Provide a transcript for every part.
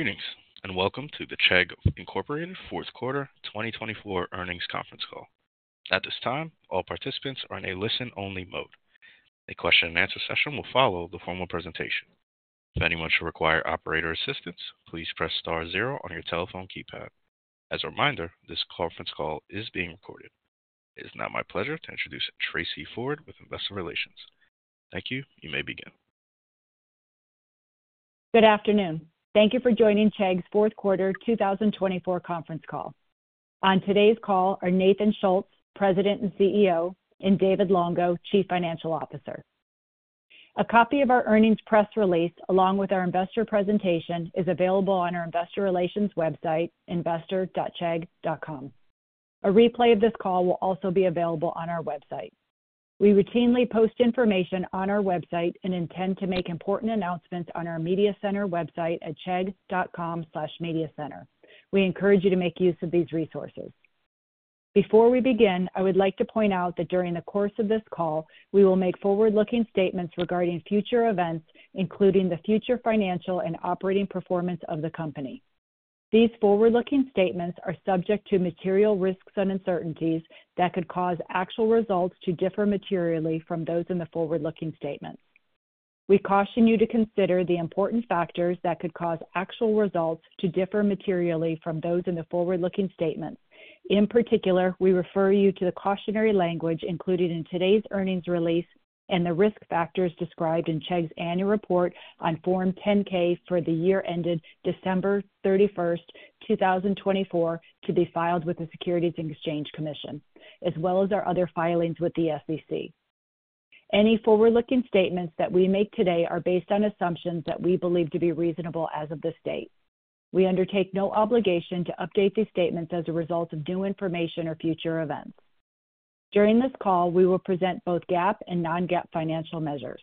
Greetings and welcome to the Chegg fourth quarter 2024 earnings conference call. At this time, all participants are in a listen-only mode. A question-and-answer session will follow the formal presentation. If anyone should require operator assistance, please press star zero on your telephone keypad. As a reminder, this conference call is being recorded. It is now my pleasure to introduce Tracey Ford with Investor Relations. Thank you. You may begin. Good afternoon. Thank you for joining Chegg's fourth quarter 2024 conference call. On today's call are Nathan Schultz, President and CEO, and David Longo, Chief Financial Officer. A copy of our earnings press release, along with our investor presentation, is available on our Investor Relations website, investor.chegg.com. A replay of this call will also be available on our website. We routinely post information on our website and intend to make important announcements on our media center website at chegg.com/mediacenter. We encourage you to make use of these resources. Before we begin, I would like to point out that during the course of this call, we will make forward-looking statements regarding future events, including the future financial and operating performance of the company. These forward-looking statements are subject to material risks and uncertainties that could cause actual results to differ materially from those in the forward-looking statements. We caution you to consider the important factors that could cause actual results to differ materially from those in the forward-looking statements. In particular, we refer you to the cautionary language included in today's earnings release and the risk factors described in Chegg's annual report on Form 10-K for the year ended December 31, 2024, to be filed with the Securities and Exchange Commission, as well as our other filings with the SEC. Any forward-looking statements that we make today are based on assumptions that we believe to be reasonable as of this date. We undertake no obligation to update these statements as a result of new information or future events. During this call, we will present both GAAP and non-GAAP financial measures.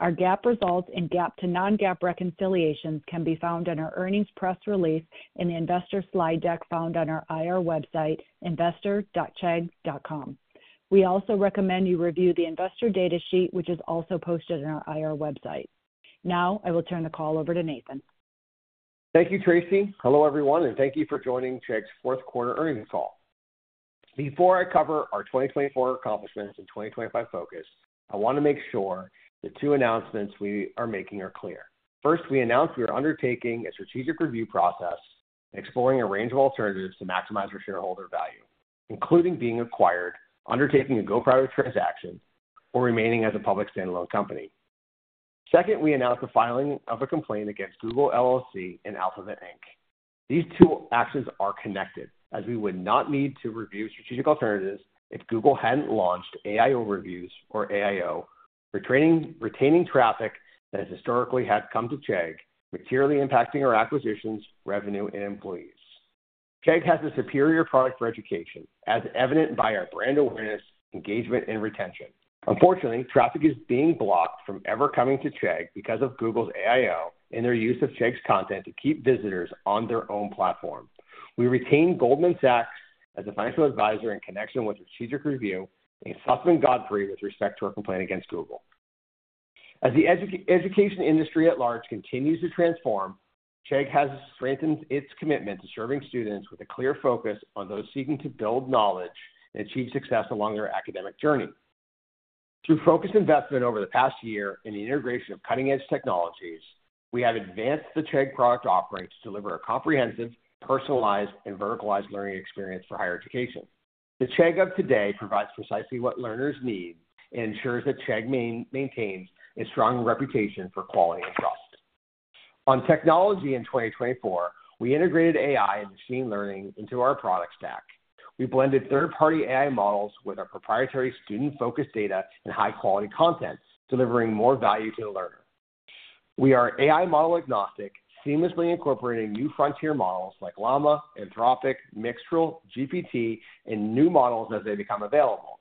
Our GAAP results and GAAP-to-non-GAAP reconciliations can be found on our earnings press release and the investor slide deck found on our IR website, investor.chegg.com. We also recommend you review the investor data sheet, which is also posted on our IR website. Now, I will turn the call over to Nathan. Thank you, Tracey. Hello, everyone, and thank you for joining Chegg's fourth quarter earnings call. Before I cover our 2024 accomplishments and 2025 focus, I want to make sure the two announcements we are making are clear. First, we announce we are undertaking a strategic review process exploring a range of alternatives to maximize our shareholder value, including being acquired, undertaking a go private transaction, or remaining as a public standalone company. Second, we announce the filing of a complaint against Google LLC and Alphabet Inc. These two actions are connected, as we would not need to review strategic alternatives if Google had not launched AI Overviews or AI Overviews for retaining traffic that has historically come to Chegg, materially impacting our acquisitions, revenue, and employees. Chegg has a superior product for education, as evident by our brand awareness, engagement, and retention. Unfortunately, traffic is being blocked from ever coming to Chegg because of Google's AI Overviews and their use of Chegg's content to keep visitors on their own platform. We retain Goldman Sachs as a financial advisor in connection with strategic review, and Susman Godfrey with respect to our complaint against Google. As the education industry at large continues to transform, Chegg has strengthened its commitment to serving students with a clear focus on those seeking to build knowledge and achieve success along their academic journey. Through focused investment over the past year in the integration of cutting-edge technologies, we have advanced the Chegg product offering to deliver a comprehensive, personalized, and verticalized learning experience for higher education. The Chegg of today provides precisely what learners need and ensures that Chegg maintains a strong reputation for quality and trust. On technology in 2024, we integrated AI and machine learning into our product stack. We blended third-party AI models with our proprietary student-focused data and high-quality content, delivering more value to the learner. We are AI model agnostic, seamlessly incorporating new frontier models like Llama, Anthropic, Mixtral, GPT, and new models as they become available.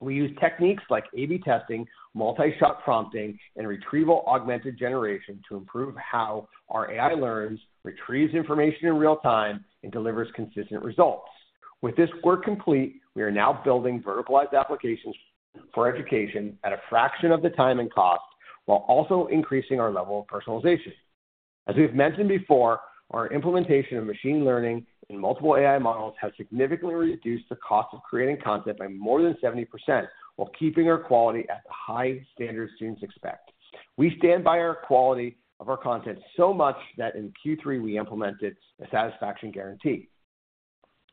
We use techniques like A/B testing, multi-shot prompting, and retrieval augmented generation to improve how our AI learns, retrieves information in real time, and delivers consistent results. With this work complete, we are now building verticalized applications for education at a fraction of the time and cost while also increasing our level of personalization. As we've mentioned before, our implementation of machine learning and multiple AI models has significantly reduced the cost of creating content by more than 70% while keeping our quality at the high standards students expect. We stand by our quality of our content so much that in Q3, we implemented a satisfaction guarantee.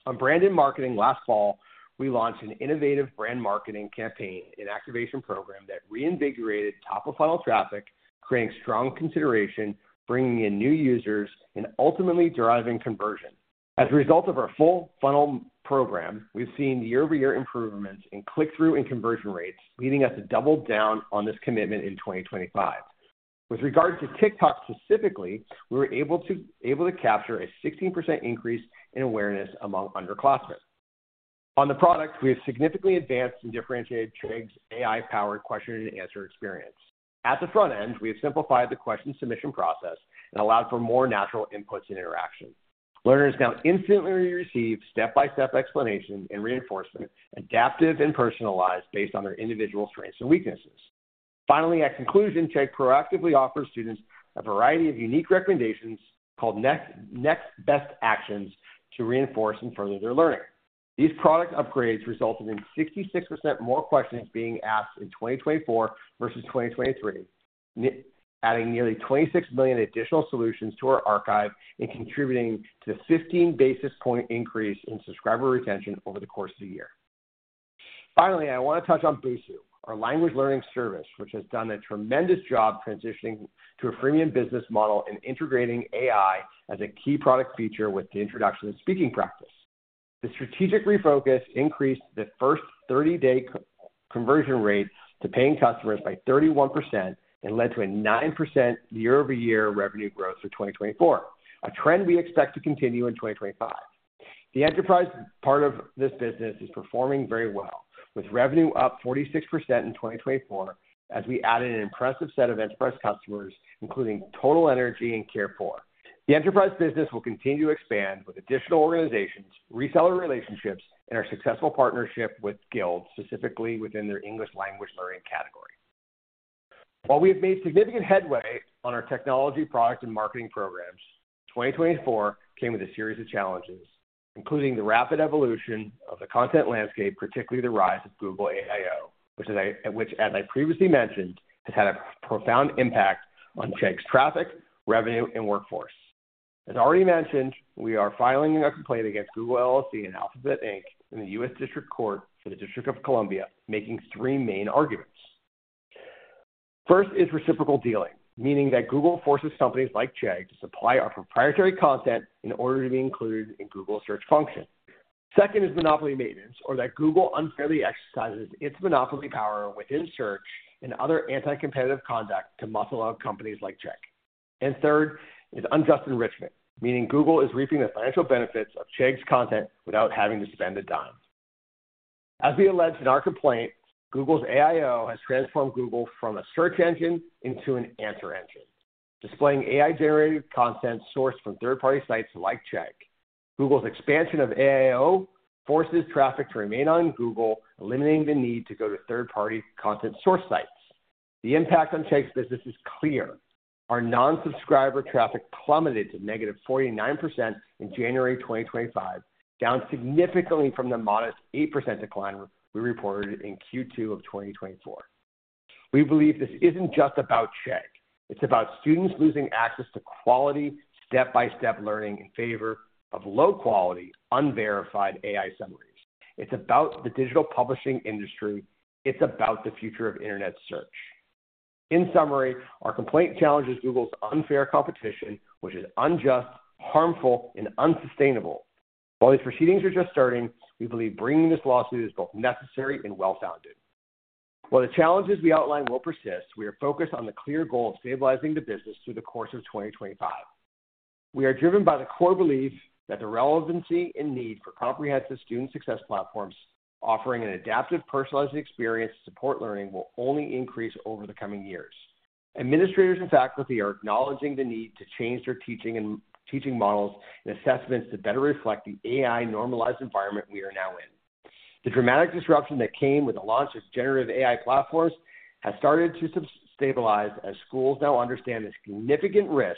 On brand and marketing, last fall, we launched an innovative brand marketing campaign and activation program that reinvigorated top-of-funnel traffic, creating strong consideration, bringing in new users, and ultimately driving conversion. As a result of our full funnel program, we've seen year-over-year improvements in click-through and conversion rates, leading us to double down on this commitment in 2025. With regards to TikTok specifically, we were able to capture a 16% increase in awareness among underclassmen. On the product, we have significantly advanced and differentiated Chegg's AI-powered question-and-answer experience. At the front end, we have simplified the question submission process and allowed for more natural inputs and interaction. Learners now instantly receive step-by-step explanation and reinforcement, adaptive and personalized based on their individual strengths and weaknesses. Finally, at conclusion, Chegg proactively offers students a variety of unique recommendations called next best actions to reinforce and further their learning. These product upgrades resulted in 66% more questions being asked in 2024 versus 2023, adding nearly 26 million additional solutions to our archive and contributing to the 15 basis point increase in subscriber retention over the course of the year. Finally, I want to touch on Busuu, our language learning service, which has done a tremendous job transitioning to a freemium business model and integrating AI as a key product feature with the introduction of speaking practice. The strategic refocus increased the first 30-day conversion rate to paying customers by 31% and led to a 9% year-over-year revenue growth for 2024, a trend we expect to continue in 2025. The enterprise part of this business is performing very well, with revenue up 46% in 2024 as we added an impressive set of enterprise customers, including TotalEnergies and CarePort. The enterprise business will continue to expand with additional organizations, reseller relationships, and our successful partnership with Guild, specifically within their English language learning category. While we have made significant headway on our technology product and marketing programs, 2024 came with a series of challenges, including the rapid evolution of the content landscape, particularly the rise of Google AI Overviews, which, as I previously mentioned, has had a profound impact on Chegg's traffic, revenue, and workforce. As already mentioned, we are filing a complaint against Google LLC and Alphabet Inc. in the U.S. District Court for the District of Columbia, making three main arguments. First is reciprocal dealing, meaning that Google forces companies like Chegg to supply our proprietary content in order to be included in Google's search function. Second is monopoly maintenance, or that Google unfairly exercises its monopoly power within search and other anti-competitive conduct to muscle out companies like Chegg. Third is unjust enrichment, meaning Google is reaping the financial benefits of Chegg's content without having to spend a dime. As we alleged in our complaint, Google's AIO has transformed Google from a search engine into an answer engine, displaying AI-generated content sourced from third-party sites like Chegg. Google's expansion of AIO forces traffic to remain on Google, eliminating the need to go to third-party content source sites. The impact on Chegg's business is clear. Our non-subscriber traffic plummeted to negative 49% in January 2025, down significantly from the modest 8% decline we reported in Q2 of 2024. We believe this isn't just about Chegg. It's about students losing access to quality step-by-step learning in favor of low-quality, unverified AI summaries. It's about the digital publishing industry. It's about the future of internet search. In summary, our complaint challenges Google's unfair competition, which is unjust, harmful, and unsustainable. While these proceedings are just starting, we believe bringing this lawsuit is both necessary and well-founded. While the challenges we outline will persist, we are focused on the clear goal of stabilizing the business through the course of 2025. We are driven by the core belief that the relevancy and need for comprehensive student success platforms offering an adaptive, personalized experience to support learning will only increase over the coming years. Administrators and faculty are acknowledging the need to change their teaching models and assessments to better reflect the AI-normalized environment we are now in. The dramatic disruption that came with the launch of generative AI platforms has started to stabilize as schools now understand the significant risk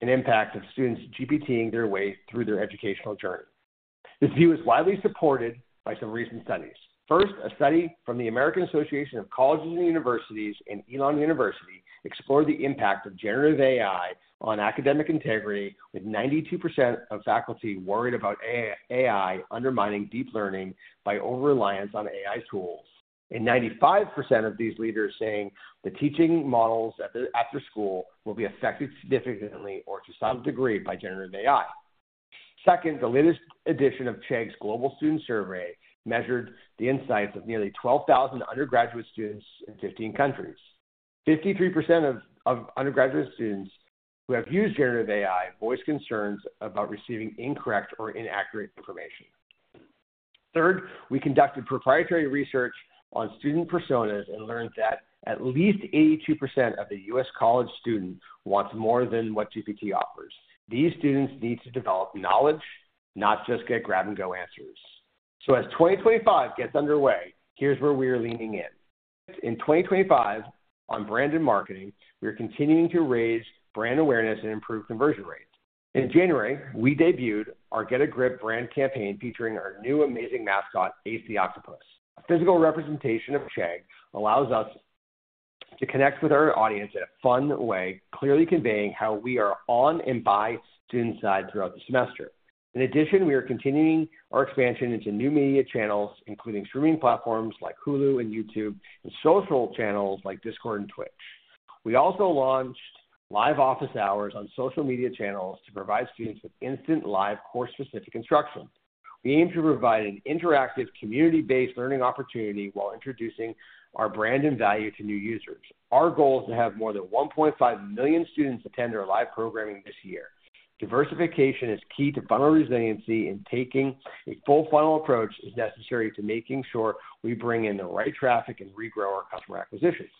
and impact of students GPTing their way through their educational journey. This view is widely supported by some recent studies. First, a study from the American Association of Colleges and Universities and Elon University explored the impact of generative AI on academic integrity, with 92% of faculty worried about AI undermining deep learning by over-reliance on AI tools, and 95% of these leaders saying the teaching models after school will be affected significantly or to some degree by generative AI. Second, the latest edition of Chegg's Global Student Survey measured the insights of nearly 12,000 undergraduate students in 15 countries. 53% of undergraduate students who have used generative AI voiced concerns about receiving incorrect or inaccurate information. Third, we conducted proprietary research on student personas and learned that at least 82% of the U.S. college student wants more than what GPT offers. These students need to develop knowledge, not just get grab-and-go answers. As 2025 gets underway, here is where we are leaning in. In 2025, on brand and marketing, we are continuing to raise brand awareness and improve conversion rates. In January, we debuted our Get a Grip brand campaign featuring our new amazing mascot, AC Octopus. A physical representation of Chegg allows us to connect with our audience in a fun way, clearly conveying how we are on and by students' side throughout the semester. In addition, we are continuing our expansion into new media channels, including streaming platforms like Hulu and YouTube and social channels like Discord and Twitch. We also launched live office hours on social media channels to provide students with instant live course-specific instruction. We aim to provide an interactive community-based learning opportunity while introducing our brand and value to new users. Our goal is to have more than 1.5 million students attend our live programming this year. Diversification is key to final resiliency, and taking a full-funnel approach is necessary to making sure we bring in the right traffic and regrow our customer acquisitions.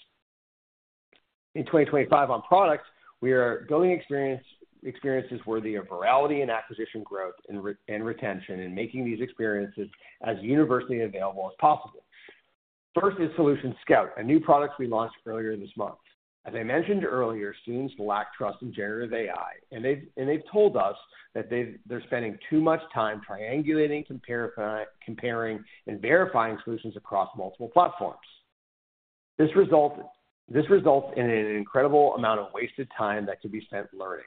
In 2025, on products, we are building experiences worthy of virality and acquisition growth and retention and making these experiences as universally available as possible. First is Solution Scout, a new product we launched earlier this month. As I mentioned earlier, students lack trust in generative AI, and they've told us that they're spending too much time triangulating, comparing, and verifying solutions across multiple platforms. This results in an incredible amount of wasted time that could be spent learning.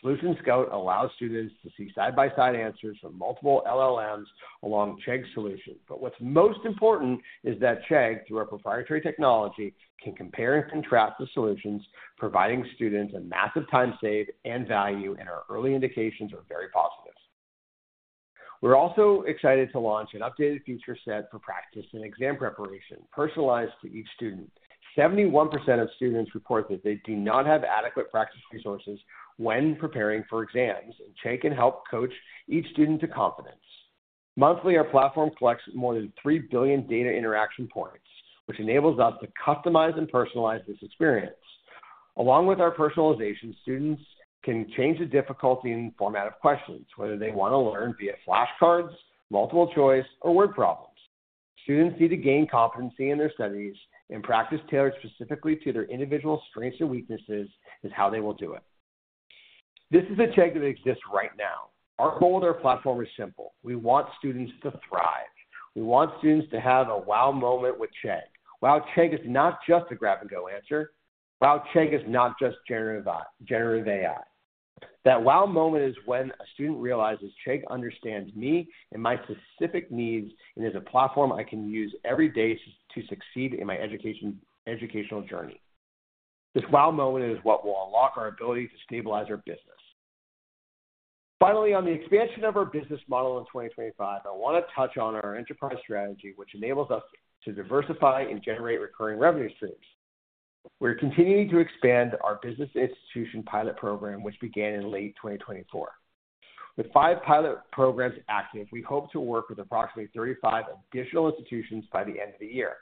Solution Scout allows students to see side-by-side answers from multiple LLMs along Chegg's solutions. What is most important is that Chegg, through our proprietary technology, can compare and contrast the solutions, providing students a massive time saved and value, and our early indications are very positive. We are also excited to launch an updated feature set for practice and exam preparation, personalized to each student. 71% of students report that they do not have adequate practice resources when preparing for exams, and Chegg can help coach each student to confidence. Monthly, our platform collects more than 3 billion data interaction points, which enables us to customize and personalize this experience. Along with our personalization, students can change the difficulty and format of questions, whether they want to learn via flashcards, multiple choice, or word problems. Students need to gain competency in their studies and practice tailored specifically to their individual strengths and weaknesses is how they will do it. This is a Chegg that exists right now. Our goal with our platform is simple. We want students to thrive. We want students to have a wow moment with Chegg. Wow, Chegg is not just a grab-and-go answer. Wow, Chegg is not just generative AI. That wow moment is when a student realizes, "Chegg understands me and my specific needs, and it's a platform I can use every day to succeed in my educational journey." This wow moment is what will unlock our ability to stabilize our business. Finally, on the expansion of our business model in 2025, I want to touch on our enterprise strategy, which enables us to diversify and generate recurring revenue streams. We're continuing to expand our business institution pilot program, which began in late 2024. With five pilot programs active, we hope to work with approximately 35 additional institutions by the end of the year.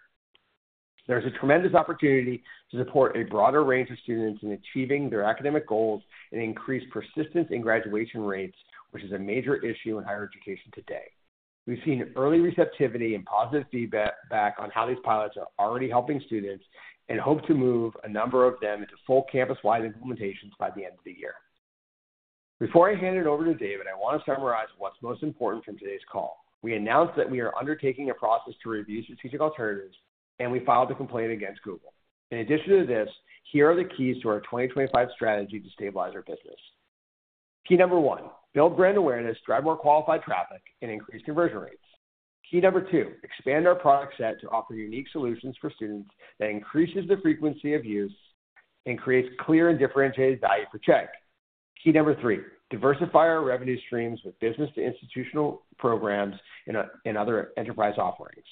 There's a tremendous opportunity to support a broader range of students in achieving their academic goals and increase persistence in graduation rates, which is a major issue in higher education today. We've seen early receptivity and positive feedback on how these pilots are already helping students and hope to move a number of them into full campus-wide implementations by the end of the year. Before I hand it over to David, I want to summarize what's most important from today's call. We announced that we are undertaking a process to review strategic alternatives, and we filed a complaint against Google. In addition to this, here are the keys to our 2025 strategy to stabilize our business. Key number one: build brand awareness, drive more qualified traffic, and increase conversion rates. Key number two: expand our product set to offer unique solutions for students that increases the frequency of use and creates clear and differentiated value for Chegg. Key number three: diversify our revenue streams with business-to-institutional programs and other enterprise offerings.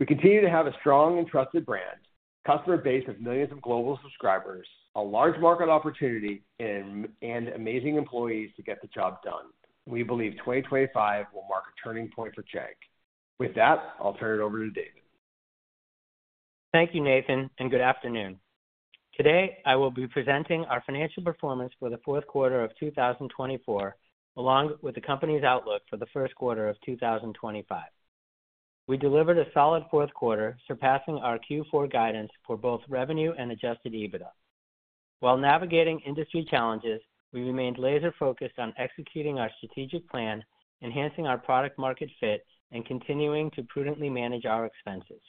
We continue to have a strong and trusted brand, customer base of millions of global subscribers, a large market opportunity, and amazing employees to get the job done. We believe 2025 will mark a turning point for Chegg. With that, I'll turn it over to David. Thank you, Nathan, and good afternoon. Today, I will be presenting our financial performance for the fourth quarter of 2024, along with the company's outlook for the first quarter of 2025. We delivered a solid fourth quarter, surpassing our Q4 guidance for both revenue and adjusted EBITDA. While navigating industry challenges, we remained laser-focused on executing our strategic plan, enhancing our product-market fit, and continuing to prudently manage our expenses.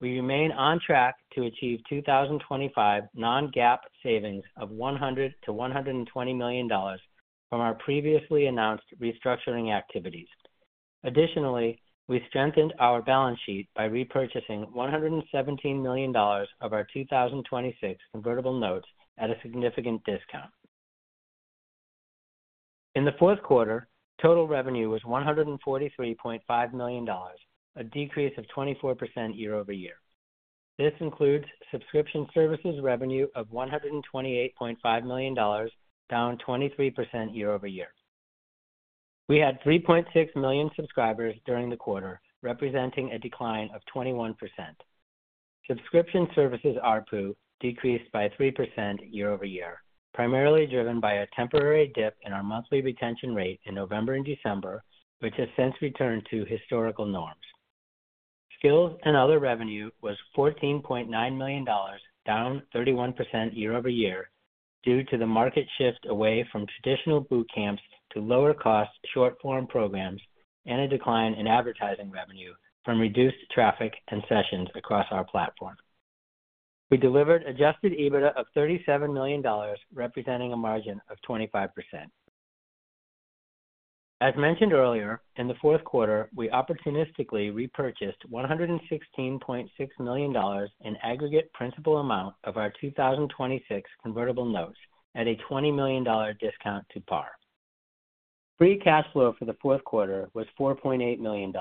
We remain on track to achieve 2025 non-GAAP savings of $100 million-$120 million from our previously announced restructuring activities. Additionally, we strengthened our balance sheet by repurchasing $117 million of our 2026 convertible notes at a significant discount. In the fourth quarter, total revenue was $143.5 million, a decrease of 24% year-over-year. This includes subscription services revenue of $128.5 million, down 23% year-over-year. We had 3.6 million subscribers during the quarter, representing a decline of 21%. Subscription services ARPU decreased by 3% year-over-year, primarily driven by a temporary dip in our monthly retention rate in November and December, which has since returned to historical norms. Skills and other revenue was $14.9 million, down 31% year-over-year, due to the market shift away from traditional boot camps to lower-cost short-form programs and a decline in advertising revenue from reduced traffic and sessions across our platform. We delivered adjusted EBITDA of $37 million, representing a margin of 25%. As mentioned earlier, in the fourth quarter, we opportunistically repurchased $116.6 million in aggregate principal amount of our 2026 convertible notes at a $20 million discount to par. Free cash flow for the fourth quarter was $4.8 million,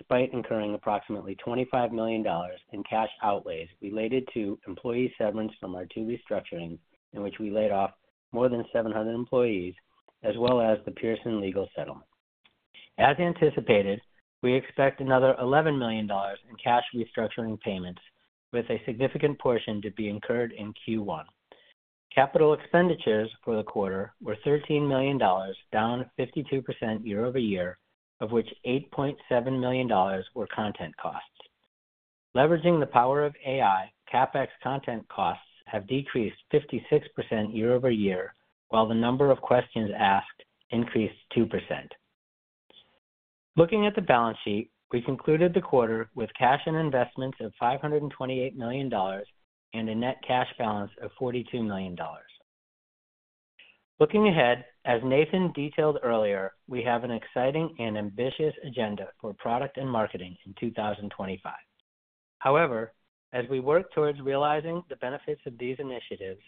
despite incurring approximately $25 million in cash outlays related to employee severance from our two restructurings, in which we laid off more than 700 employees, as well as the Pearson legal settlement. As anticipated, we expect another $11 million in cash restructuring payments, with a significant portion to be incurred in Q1. Capital expenditures for the quarter were $13 million, down 52% year-over-year, of which $8.7 million were content costs. Leveraging the power of AI, CapEx content costs have decreased 56% year-over-year, while the number of questions asked increased 2%. Looking at the balance sheet, we concluded the quarter with cash and investments of $528 million and a net cash balance of $42 million. Looking ahead, as Nathan detailed earlier, we have an exciting and ambitious agenda for product and marketing in 2025. However, as we work towards realizing the benefits of these initiatives,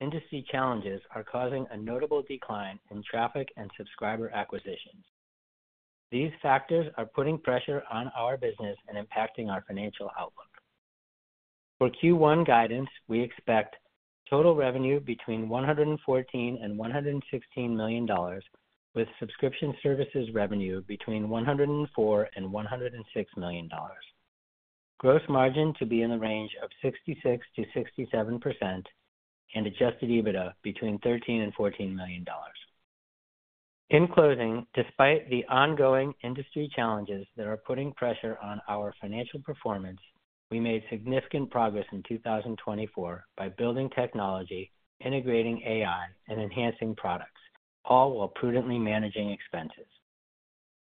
industry challenges are causing a notable decline in traffic and subscriber acquisitions. These factors are putting pressure on our business and impacting our financial outlook. For Q1 guidance, we expect total revenue between $114-$116 million, with subscription services revenue between $104-$106 million. Gross margin to be in the range of 66-67%, and adjusted EBITDA between $13 and $14 million. In closing, despite the ongoing industry challenges that are putting pressure on our financial performance, we made significant progress in 2024 by building technology, integrating AI, and enhancing products, all while prudently managing expenses.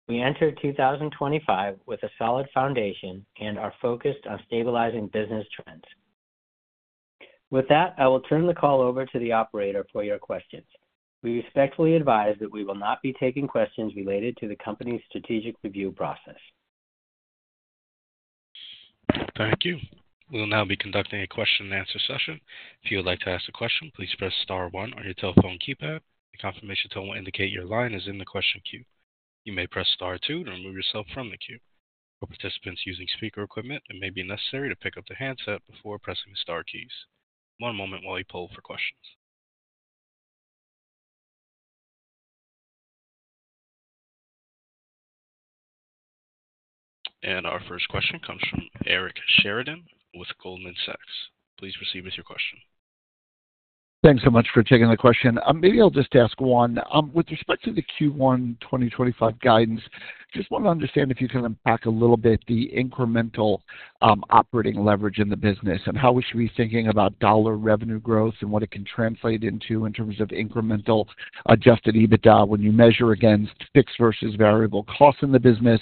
We entered 2025 with a solid foundation and are focused on stabilizing business trends. With that, I will turn the call over to the operator for your questions. We respectfully advise that we will not be taking questions related to the company's strategic review process. Thank you. We'll now be conducting a question-and-answer session. If you would like to ask a question, please press star one on your telephone keypad. The confirmation tone will indicate your line is in the question queue. You may press star two to remove yourself from the queue. For participants using speaker equipment, it may be necessary to pick up the handset before pressing the star keys. One moment while we poll for questions. Our first question comes from Eric Sheridan with Goldman Sachs. Please proceed with your question. Thanks so much for taking the question. Maybe I'll just ask one. With respect to the Q1 2025 guidance, just want to understand if you can unpack a little bit the incremental operating leverage in the business and how we should be thinking about dollar revenue growth and what it can translate into in terms of incremental adjusted EBITDA when you measure against fixed versus variable costs in the business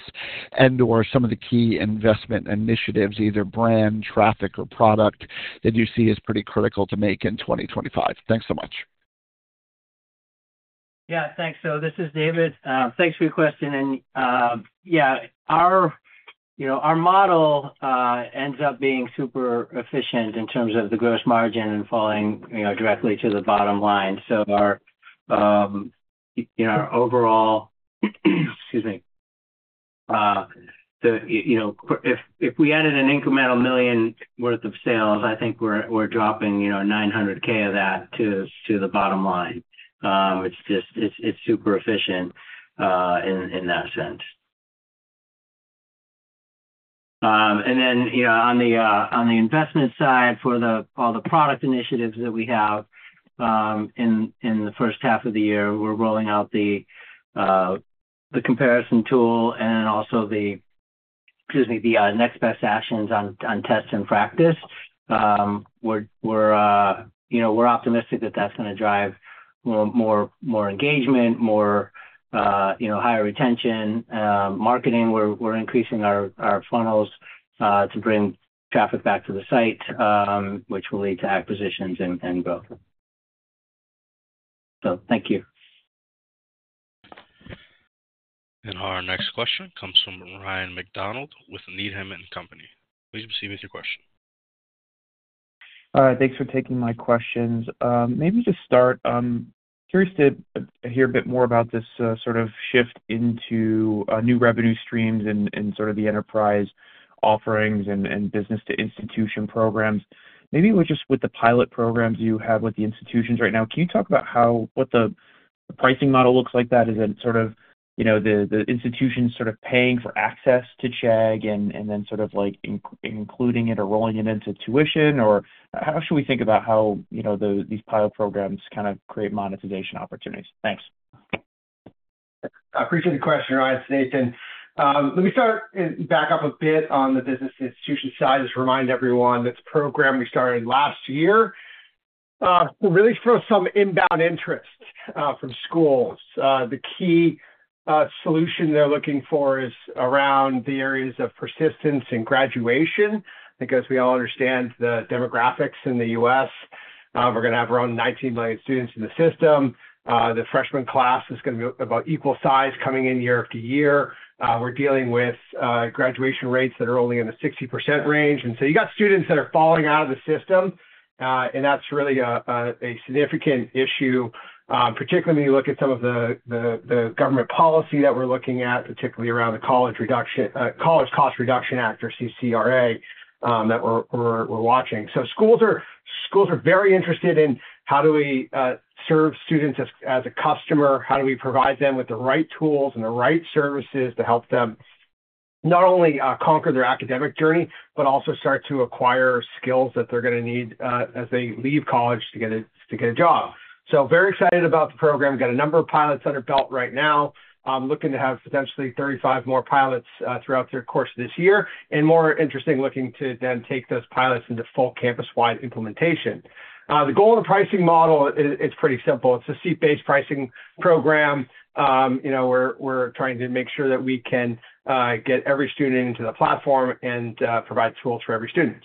and/or some of the key investment initiatives, either brand, traffic, or product that you see as pretty critical to make in 2025. Thanks so much. Yeah, thanks. This is David. Thanks for your question. Yeah, our model ends up being super efficient in terms of the gross margin and falling directly to the bottom line. Our overall, excuse me, if we added an incremental $1 million worth of sales, I think we're dropping $900,000 of that to the bottom line. It's super efficient in that sense. On the investment side for all the product initiatives that we have in the first half of the year, we're rolling out the comparison tool and also the, excuse me, the next best actions on test and practice. We're optimistic that that's going to drive more engagement, more higher retention. Marketing, we're increasing our funnels to bring traffic back to the site, which will lead to acquisitions and growth. Thank you. Our next question comes from Ryan MacDonald with Needham & Company. Please proceed with your question. All right. Thanks for taking my questions. Maybe to start, I'm curious to hear a bit more about this sort of shift into new revenue streams and sort of the enterprise offerings and business-to-institution programs. Maybe just with the pilot programs you have with the institutions right now, can you talk about what the pricing model looks like that? Is it sort of the institutions sort of paying for access to Chegg and then sort of including it or rolling it into tuition? Or how should we think about how these pilot programs kind of create monetization opportunities? Thanks. I appreciate the question, Nathan. Let me start and back up a bit on the business institution side to remind everyone that's a program we started last year. We really felt some inbound interest from schools. The key solution they're looking for is around the areas of persistence and graduation. I think, as we all understand, the demographics in the U.S., we're going to have around 19 million students in the system. The freshman class is going to be about equal size coming in year after year. We're dealing with graduation rates that are only in the 60% range. You got students that are falling out of the system, and that's really a significant issue, particularly when you look at some of the government policy that we're looking at, particularly around the College Cost Reduction Act, or CCRA, that we're watching. Schools are very interested in how do we serve students as a customer? How do we provide them with the right tools and the right services to help them not only conquer their academic journey, but also start to acquire skills that they're going to need as they leave college to get a job? Very excited about the program. Got a number of pilots under belt right now. I'm looking to have potentially 35 more pilots throughout the course of this year. More interesting, looking to then take those pilots into full campus-wide implementation. The goal of the pricing model is pretty simple. It's a seat-based pricing program. We're trying to make sure that we can get every student into the platform and provide tools for every student.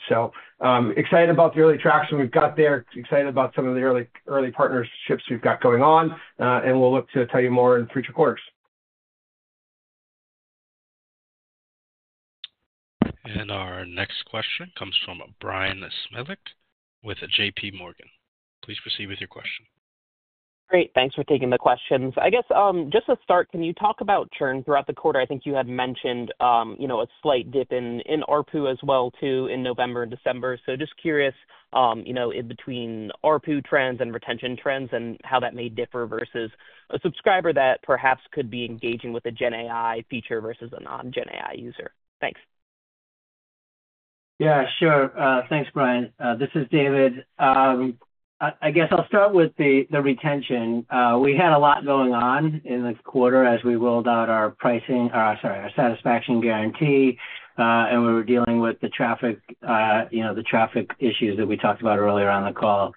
Excited about the early traction we've got there. Excited about some of the early partnerships we've got going on. We'll look to tell you more in future quarters. Our next question comes from Bryan Smilek with JPMorgan. Please proceed with your question. Great. Thanks for taking the questions. I guess just to start, can you talk about churn throughout the quarter? I think you had mentioned a slight dip in ARPU as well, too, in November and December. Just curious in between ARPU trends and retention trends and how that may differ versus a subscriber that perhaps could be engaging with a Gen AI feature versus a non-Gen AI user. Thanks. Yeah, sure. Thanks, Bryan. This is David. I guess I'll start with the retention. We had a lot going on in the quarter as we rolled out our pricing or, sorry, our satisfaction guarantee. We were dealing with the traffic issues that we talked about earlier on the call.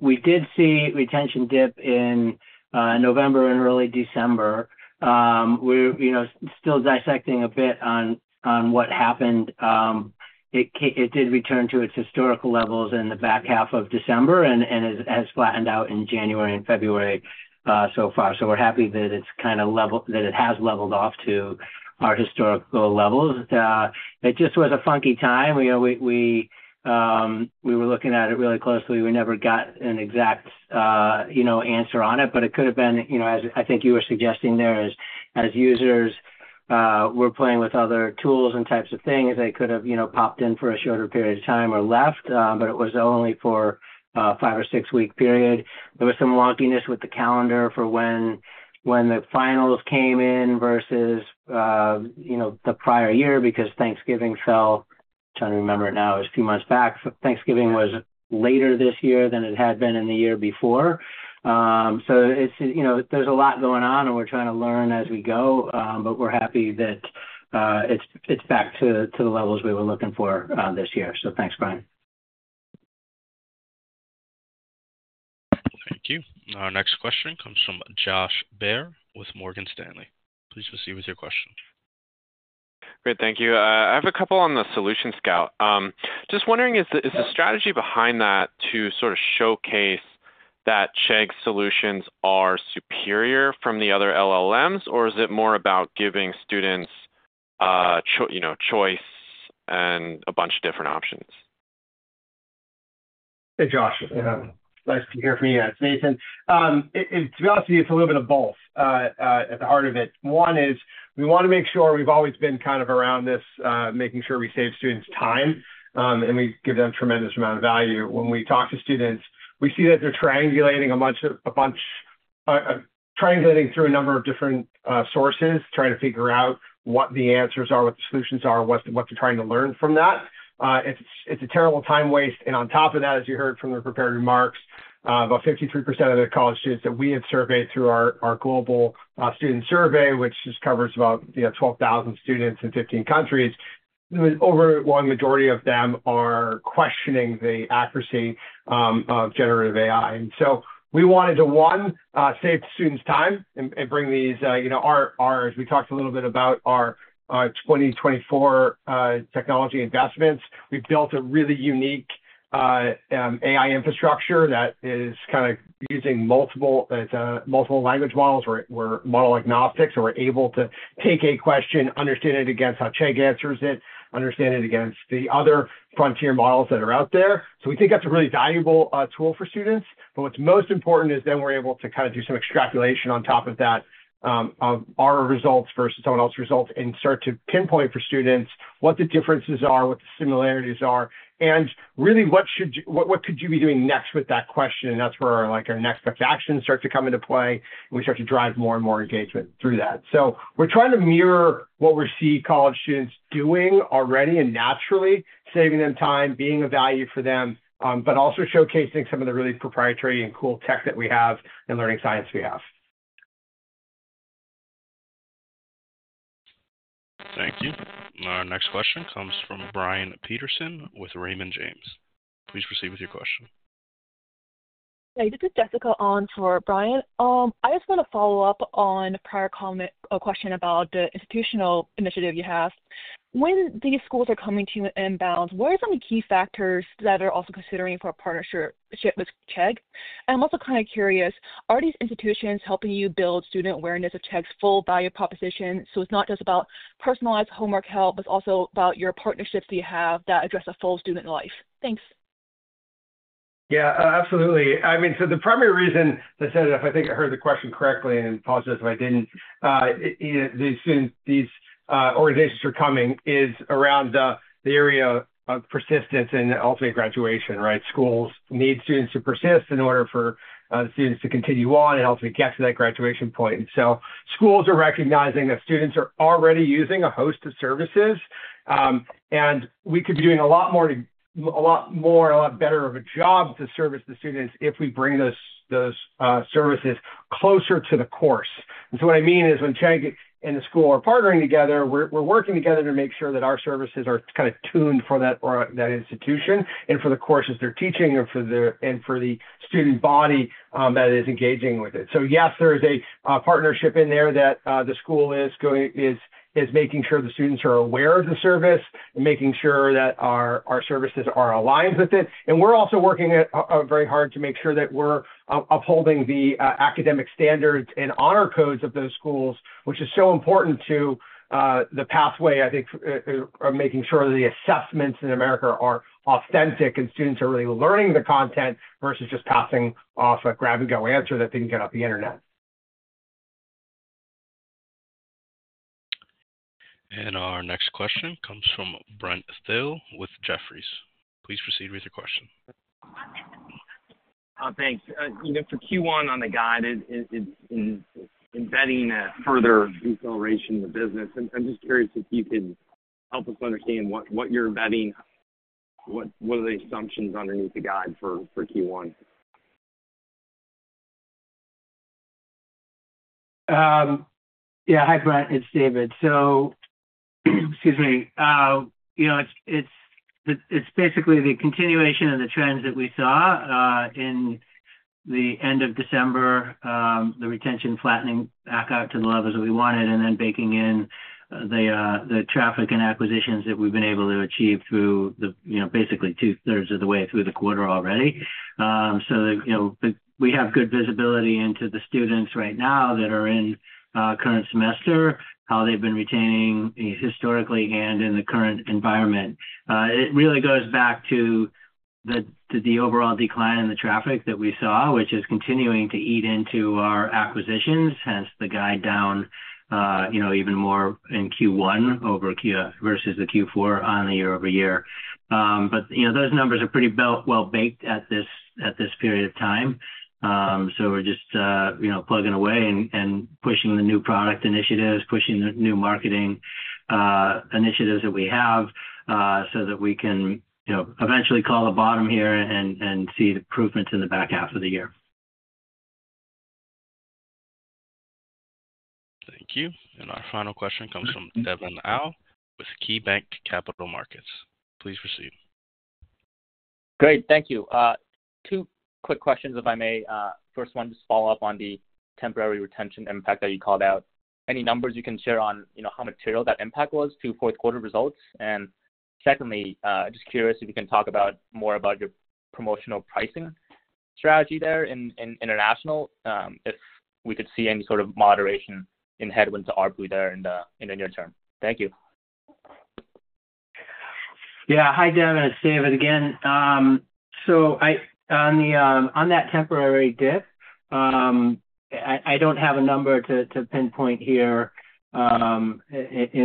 We did see a retention dip in November and early December. We're still dissecting a bit on what happened. It did return to its historical levels in the back half of December and has flattened out in January and February so far. We're happy that it's kind of leveled, that it has leveled off to our historical levels. It just was a funky time. We were looking at it really closely. We never got an exact answer on it, but it could have been, as I think you were suggesting there, as users were playing with other tools and types of things, they could have popped in for a shorter period of time or left, but it was only for a five or six-week period. There was some wonkiness with the calendar for when the finals came in versus the prior year because Thanksgiving fell—trying to remember it now—it was a few months back. Thanksgiving was later this year than it had been in the year before. There is a lot going on, and we are trying to learn as we go, but we are happy that it is back to the levels we were looking for this year. Thanks, Brian. Thank you. Our next question comes from Joshua Baer with Morgan Stanley. Please proceed with your question. Great. Thank you. I have a couple on the Solution Scout. Just wondering, is the strategy behind that to sort of showcase that Chegg solutions are superior from the other LLMs, or is it more about giving students choice and a bunch of different options? Hey, Josh. Nice to hear from you. It is Nathan. To be honest with you, it is a little bit of both at the heart of it. One is we want to make sure we have always been kind of around this, making sure we save students time, and we give them a tremendous amount of value. When we talk to students, we see that they're triangulating through a number of different sources, trying to figure out what the answers are, what the solutions are, what they're trying to learn from that. It's a terrible time waste. On top of that, as you heard from the prepared remarks, about 53% of the college students that we have surveyed through our global student survey, which just covers about 12,000 students in 15 countries, the overwhelming majority of them are questioning the accuracy of generative AI. We wanted to, one, save students time and bring these—as we talked a little bit about our 2024 technology investments—we built a really unique AI infrastructure that is kind of using multiple language models. We're model agnostic, so we're able to take a question, understand it against how Chegg answers it, understand it against the other frontier models that are out there. We think that's a really valuable tool for students. What's most important is then we're able to kind of do some extrapolation on top of that of our results versus someone else's results and start to pinpoint for students what the differences are, what the similarities are, and really what could you be doing next with that question. That's where our next best action starts to come into play, and we start to drive more and more engagement through that. We're trying to mirror what we see college students doing already and naturally, saving them time, being of value for them, but also showcasing some of the really proprietary and cool tech that we have and learning science we have. Thank you. Our next question comes from Brian Peterson with Raymond James. Please proceed with your question. Hey, this is Jessica on for Brian. I just want to follow up on a prior question about the institutional initiative you have. When these schools are coming to you inbound, what are some of the key factors that are also considering for a partnership with Chegg? I'm also kind of curious, are these institutions helping you build student awareness of Chegg's full value proposition? It's not just about personalized homework help, but it's also about your partnerships that you have that address a full student life. Thanks. Yeah, absolutely. I mean, the primary reason—I said it if I think I heard the question correctly, and apologize if I did not—these organizations are coming is around the area of persistence and ultimate graduation, right? Schools need students to persist in order for students to continue on and ultimately get to that graduation point. Schools are recognizing that students are already using a host of services, and we could be doing a lot more, a lot better of a job to service the students if we bring those services closer to the course. What I mean is when Chegg and the school are partnering together, we are working together to make sure that our services are kind of tuned for that institution and for the courses they are teaching and for the student body that is engaging with it. Yes, there is a partnership in there that the school is making sure the students are aware of the service and making sure that our services are aligned with it. We're also working very hard to make sure that we're upholding the academic standards and honor codes of those schools, which is so important to the pathway, I think, of making sure that the assessments in America are authentic and students are really learning the content versus just passing off a grab-and-go answer that they can get off the internet. Our next question comes from Brent Thill with Jefferies. Please proceed with your question. Thanks. For Q1 on the guide, embedding further acceleration in the business. I'm just curious if you could help us understand what you're embedding, what are the assumptions underneath the guide for Q1? Yeah. Hi, Brent. It's David. Excuse me. It's basically the continuation of the trends that we saw in the end of December, the retention flattening back out to the levels that we wanted, and then baking in the traffic and acquisitions that we've been able to achieve through basically two-thirds of the way through the quarter already. We have good visibility into the students right now that are in current semester, how they've been retaining historically and in the current environment. It really goes back to the overall decline in the traffic that we saw, which is continuing to eat into our acquisitions, hence the guide down even more in Q1 versus the Q4 on the year-over-year. Those numbers are pretty well baked at this period of time. We're just plugging away and pushing the new product initiatives, pushing the new marketing initiatives that we have so that we can eventually call the bottom here and see the improvements in the back half of the year. Thank you. Our final question comes from Devin Au with KeyBanc Capital Markets. Please proceed. Great. Thank you. Two quick questions, if I may. First one, just follow up on the temporary retention impact that you called out. Any numbers you can share on how material that impact was to fourth-quarter results? Secondly, just curious if you can talk more about your promotional pricing strategy there in international, if we could see any sort of moderation in headwinds to ARPU there in the near term. Thank you. Yeah. Hi, Devin. It's David again. On that temporary dip, I do not have a number to pinpoint here in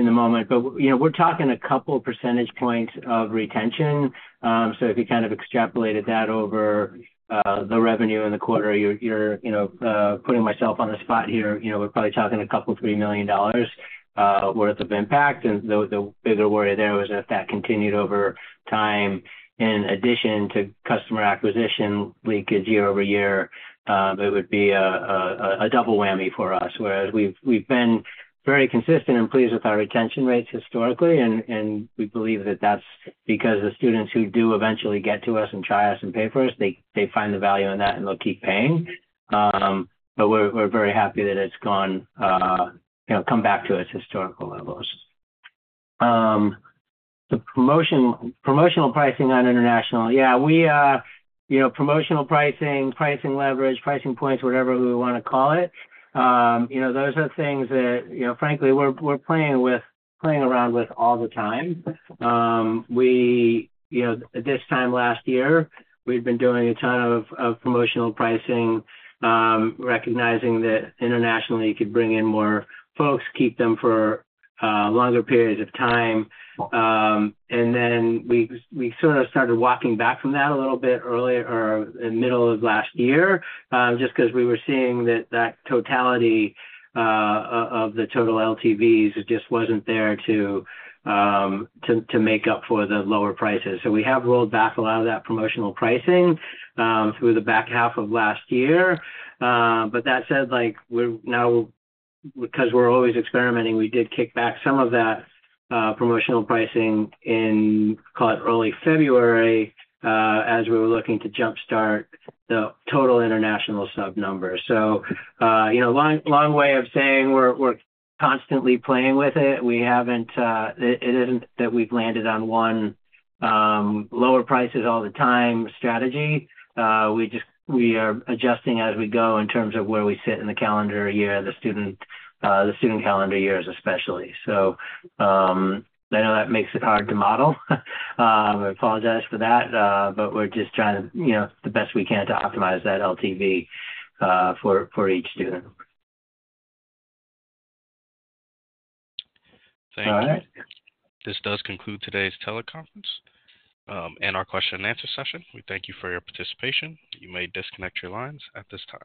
the moment, but we are talking a couple of percentage points of retention. If you kind of extrapolated that over the revenue in the quarter, you are putting myself on the spot here. We are probably talking a couple of $3 million worth of impact. The bigger worry there was if that continued over time. In addition to customer acquisition leakage year over year, it would be a double whammy for us. Whereas we have been very consistent and pleased with our retention rates historically, and we believe that is because the students who do eventually get to us and try us and pay for us, they find the value in that, and they will keep paying. We are very happy that it has come back to its historical levels. The promotional pricing on international, yeah, promotional pricing, pricing leverage, pricing points, whatever we want to call it, those are things that, frankly, we're playing around with all the time. At this time last year, we've been doing a ton of promotional pricing, recognizing that internationally, you could bring in more folks, keep them for longer periods of time. Then we sort of started walking back from that a little bit earlier or in the middle of last year just because we were seeing that totality of the total LTVs just wasn't there to make up for the lower prices. We have rolled back a lot of that promotional pricing through the back half of last year. That said, because we're always experimenting, we did kick back some of that promotional pricing in, call it early February, as we were looking to jump-start the total international sub-numbers. Long way of saying we're constantly playing with it. It isn't that we've landed on one lower prices all the time strategy. We are adjusting as we go in terms of where we sit in the calendar year, the student calendar years especially. I know that makes it hard to model. I apologize for that, but we're just trying the best we can to optimize that LTV for each student. Thank you. All right. This does conclude today's teleconference and our question-and-answer session. We thank you for your participation. You may disconnect your lines at this time.